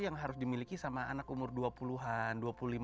yang harus dimiliki sama anak umur dua puluh an